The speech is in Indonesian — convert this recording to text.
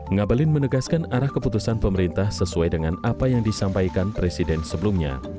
ngabalin menegaskan arah keputusan pemerintah sesuai dengan apa yang disampaikan presiden sebelumnya